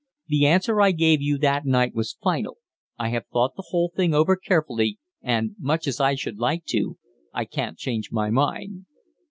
The answer I gave you that night was final. I have thought the whole thing over carefully, and, much as I should like to, I can't change my mind."